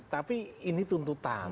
tapi ini tuntutan